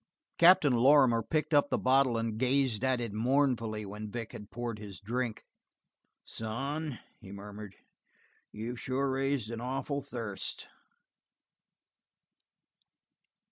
Captain Lorrimer picked up the bottle and gazed at it mournfully when Vic had poured his drink. "Son," he murmured, "you've sure raised an awful thirst."